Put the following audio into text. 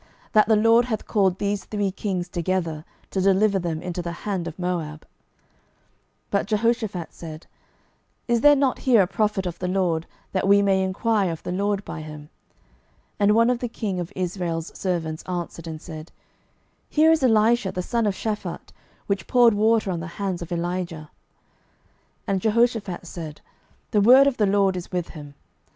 that the LORD hath called these three kings together, to deliver them into the hand of Moab! 12:003:011 But Jehoshaphat said, Is there not here a prophet of the LORD, that we may enquire of the LORD by him? And one of the king of Israel's servants answered and said, Here is Elisha the son of Shaphat, which poured water on the hands of Elijah. 12:003:012 And Jehoshaphat said, The word of the LORD is with him.